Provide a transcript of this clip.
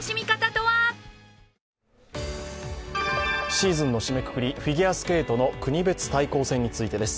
シーズンの締めくくり、フィギュアスケートの国別対抗戦についてです。